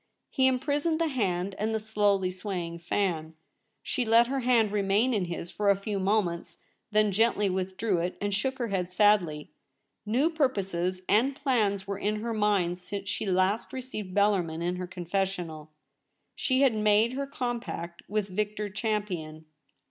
He imprisoned the hand and the slowly swaying fan. She let her hand remain in his for a few moments, then gently withdrew it, and shook her head sadly. New purposes and plans were in her mind since she last received Bellarmin in her confessional. She had made her compact with Victor Champion.